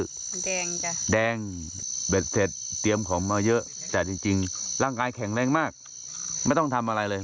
มันแดงจ้ะแดงเบ็ดเสร็จเตรียมของมาเยอะแต่จริงจริงร่างกายแข็งแรงมากไม่ต้องทำอะไรเลย